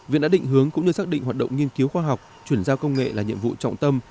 viện đã định hướng cũng như xác định hoạt động nghiên cứu khoa học chuyển giao công nghệ là nhiệm vụ trọng tâm